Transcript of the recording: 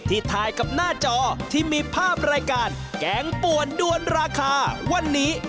ถ่ายกับหน้าจอที่มีภาพรายการแกงป่วนด้วนราคาวันนี้